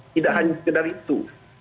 tidak hanya sekedar itu